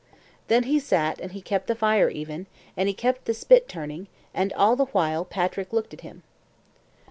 Then he sat and he kept the fire even, and he kept the spit turning, and all the while Patrick looked at him.